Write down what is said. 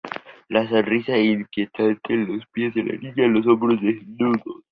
la sonrisa inquietante, los pies de niña, los hombros desnudos